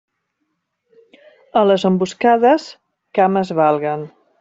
A les emboscades, cames valguen.